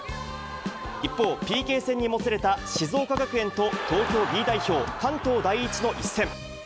一方、ＰＫ戦にもつれた静岡学園と、東京Ｂ代表、関東第一の一戦。